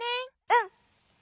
うん！